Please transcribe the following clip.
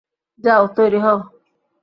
যাও, তৈরি হও।